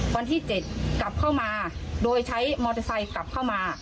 วันที่๗กลับเข้ามาโดยใช้มอเตอร์ไซค์กลับเข้ามา